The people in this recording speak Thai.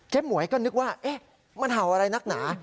หมวยก็นึกว่ามันเห่าอะไรนักหนา